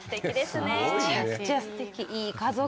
めちゃくちゃすてき、いい家族。